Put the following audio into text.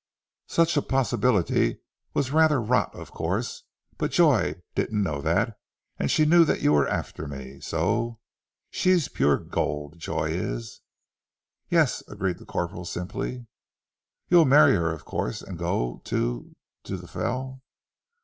"Such a possibility was rather rot, of course, but Joy didn't know that, and she knew that you were after me. So she's pure gold, Joy is." "Yes," agreed the corporal simply. "You'll marry her, of course, and go to ... to the Fell?"